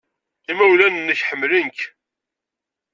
Imawlan-nnek ḥemmlen-k.